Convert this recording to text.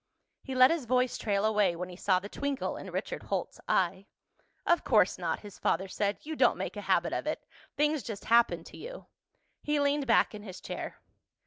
He let his voice trail away when he saw the twinkle in Richard Holt's eye. "Of course not," his father said. "You don't make a habit of it. Things just happen to you." He leaned back in his chair.